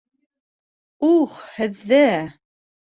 Ух, һеҙҙе!